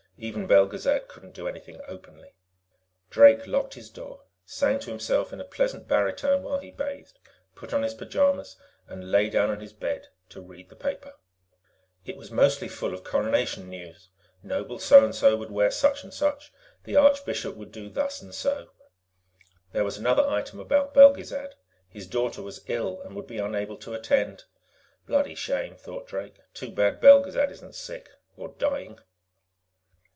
Even Belgezad couldn't do anything openly. Drake locked his door, sang to himself in a pleasant baritone while he bathed, put on his pajamas, and lay down on his bed to read the paper. It was mostly full of Coronation news. Noble So and So would wear such and such, the Archbishop would do thus and so. There was another item about Belgezad; his daughter was ill and would be unable to attend. Bloody shame, thought Drake. _Too bad Belgezad isn't sick or dying.